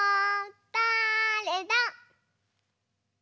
だれだ？